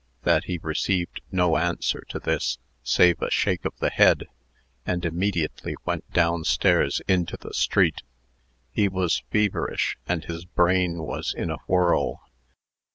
That he received no answer to this, save a shake of the head, and immediately went down stairs into the street. He was feverish, and his brain was in a whirl.